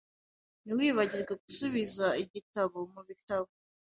Ntiwibagirwe gusubiza igitabo mubitabo.